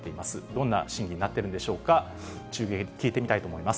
どんな審議になってるんでしょうか、中継で聞いてみたいと思います。